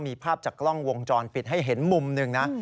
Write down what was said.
มีภาพจากกล้องวงจรปิดให้เห็นมุมหนึ่งนะ